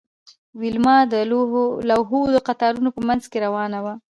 ویلما د لوحو د قطارونو په مینځ کې روانه وه